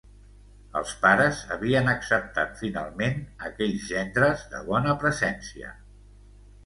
Els pares havien acceptat finalment aquells gendres de bona presència.